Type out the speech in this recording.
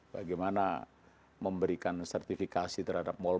bagaimana memberikan sertifikasi terhadap mall